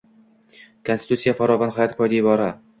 Konstitutsiya farovon hayot poydevori